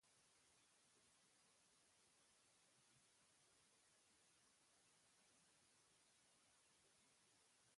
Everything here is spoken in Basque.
Etiopiako eta Somalilandiako gobernuen arteko akordioak protestak eragin ditu eskualdean.